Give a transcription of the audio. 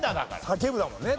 「叫ぶ」だもんね。